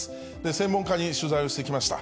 専門家に取材をしてきました。